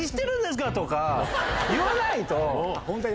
言わないと。